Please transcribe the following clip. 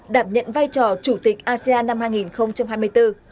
đảm nhận vai trò chủ tịch asean năm hai nghìn hai mươi bốn